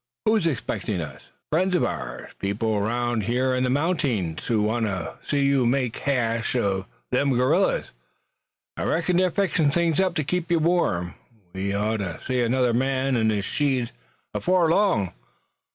"Who is expecting us?" "Friends uv ours. People 'roun' here in the mountings who want to see you make hash uv them gorillers. I reckon they're fixin' things to keep you warm. We oughter see another man an' his sheet afore long.